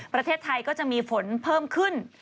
ประเทศไทยก็จะมีฝนเพิ่มขึ้น